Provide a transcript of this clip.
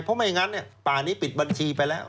เพราะไม่งั้นป่านี้ปิดบัญชีไปแล้ว